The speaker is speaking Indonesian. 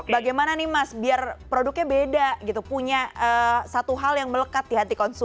bagaimana nih mas biar produknya beda gitu punya satu hal yang melekat